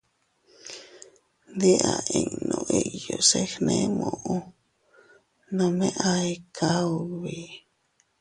Ndi a innu iyuu se gne muʼu, nome a ikaa ubi.